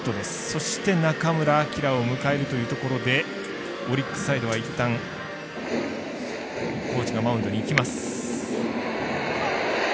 そして、中村晃を迎えるというところでオリックスサイドはいったん、コーチがマウンドに行きます。